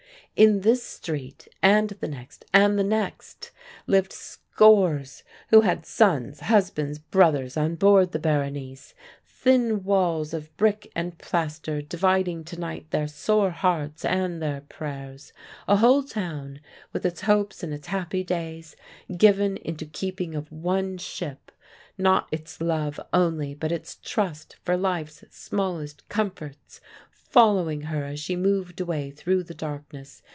In this street, and the next, and the next, lived scores who had sons, husbands, brothers on board the Berenice; thin walls of brick and plaster dividing to night their sore hearts and their prayers; a whole town with its hopes and its happy days given into keeping of one ship; not its love only but its trust for life's smallest comforts following her as she moved away through the darkness.